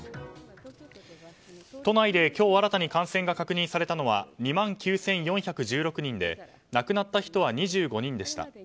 都内で今日新たに感染が確認されたのは２万９４１６人で亡くなった人は２５人でした。